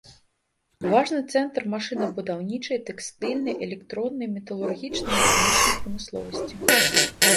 Важны цэнтр машынабудаўнічай, тэкстыльнай, электроннай, металургічнай і хімічнай прамысловасці.